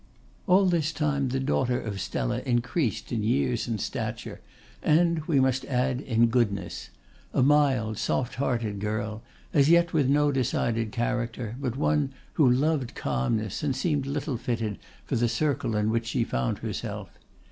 All this time the daughter of Stella increased in years and stature, and we must add in goodness: a mild, soft hearted girl, as yet with no decided character, but one who loved calmness and seemed little fitted for the circle in which she found herself.